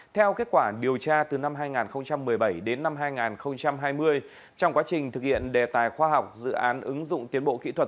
theo kết quả điều tra từ năm hai nghìn một mươi bảy đến năm hai nghìn hai mươi trong quá trình thực hiện đề tài khoa học dự án ứng dụng tiến bộ kỹ thuật